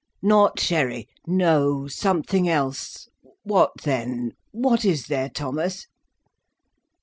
"Not sherry! No! Something else! What then? What is there, Thomas?"